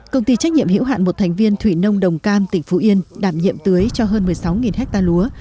công ty trách nhiệm hiểu hạn một thành viên thủy nông đồng cam tỉnh phú yên đảm nhiệm tưới cho hơn một mươi sáu ha lúa